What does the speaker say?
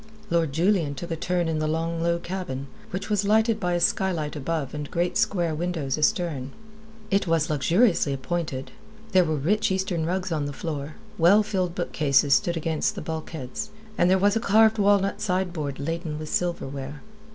Lord Julian took a turn in the long low cabin, which was lighted by a skylight above and great square windows astern. It was luxuriously appointed: there were rich Eastern rugs on the floor, well filled bookcases stood against the bulkheads, and there was a carved walnut sideboard laden with silverware.